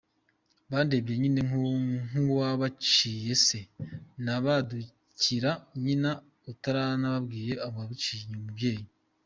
Bandebye nyine nk’uwabiciye se, banadukira nyina utarabababwiye uwabiciye umubyeyi.